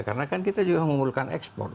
karena kan kita juga menggunakan ekspor